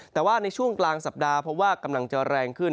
แต่ว่าในช่วงกลางสัปดาห์เพราะว่ากำลังจะแรงขึ้น